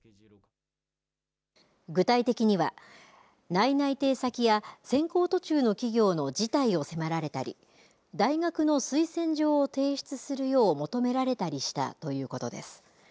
具体的には内々定先や選考途中の企業の辞退を迫られたり大学の推薦状を提出するよう求められたりしたということです。